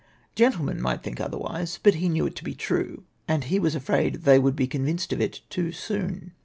Gentlemen might think otherwise, but he knew it to be true, and he w^as afraid they woidd be convinced of it too soon.